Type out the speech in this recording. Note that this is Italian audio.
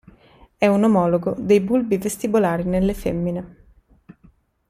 È un omologo dei bulbi vestibolari nelle femmine.